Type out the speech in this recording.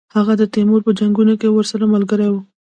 هغه د تیمور په جنګونو کې ورسره ملګری وو.